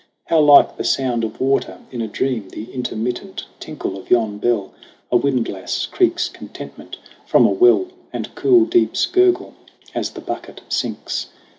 How like the sound of water in a dream The intermittent tinkle of yon bell. A windlass creaks contentment from a well, And cool deeps gurgle as the bucket sinks.